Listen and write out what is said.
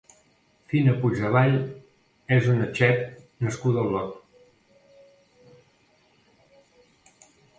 Fina Puigdevall és una chef nascuda a Olot.